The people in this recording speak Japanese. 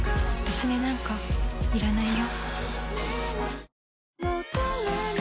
羽なんかいらないよ。